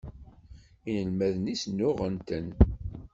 Inelmaden-is nnuɣen-ten.